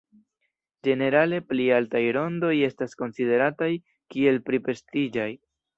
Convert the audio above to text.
Ĝenerale pli altaj rondoj estas konsiderataj kiel pli prestiĝaj.